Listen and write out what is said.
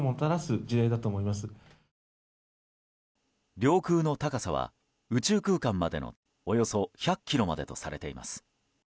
領空の高さは宇宙空間までのおよそ１００ｋｍまでとされています。